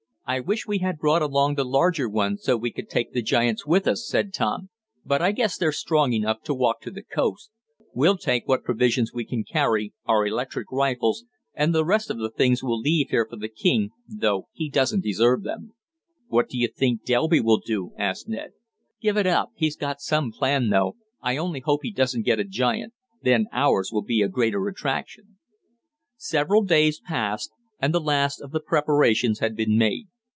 "I wish we had brought along the larger one, so we could take the giants with us," said Tom, "but I guess they're strong enough to walk to the coast. We'll take what provisions we can carry, our electric rifles, and the rest of the things we'll leave here for the king, though he doesn't deserve them." "What do you think Delby will do?" asked Ned. "Give it up. He's got some plan though. I only hope he doesn't get a giant. Then ours will be a greater attraction." Several days passed, and the last of the preparations had been made.